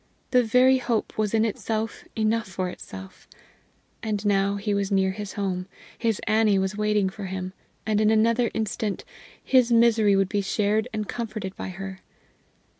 The very hope was in itself enough for itself. And now he was near his home; his Annie was waiting for him; and in another instant his misery would be shared and comforted by her!